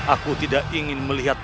aku tidak ingin melihat